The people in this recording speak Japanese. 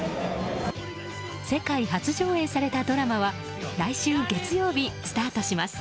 世界初上映されたドラマは来週月曜日スタートします。